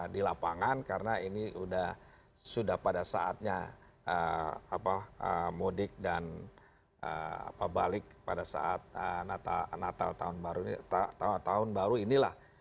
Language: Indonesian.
di lapangan karena ini sudah pada saatnya mudik dan balik pada saat natal tahun baru inilah